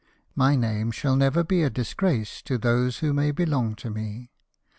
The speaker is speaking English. My name shall never be a dis grace to those who may belong to me.